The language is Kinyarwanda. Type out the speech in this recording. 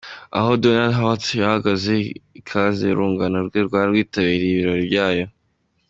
Aha Donald Hart yahaga ikaze urungano rwe rwari rwitabiriye ibi birori byayo.